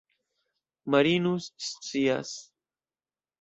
Marinus scias.